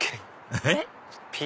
えっ？